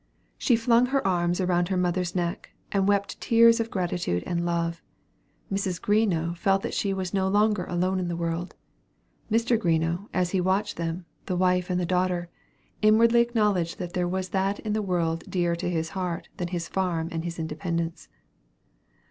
She flung her arms around her mother's neck, and wept tears of gratitude and love. Mrs. Greenough felt that she was no longer alone in the world; and Mr. Greenough, as he watched them the wife and the daughter inwardly acknowledged that there was that in the world dearer to his heart than his farm and his independence.